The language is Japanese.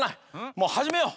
もうはじめよう！